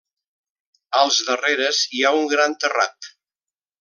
Als darreres hi ha un gran terrat.